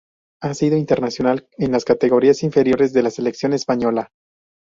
Ha sido internacional en las categorías inferiores de la selección española.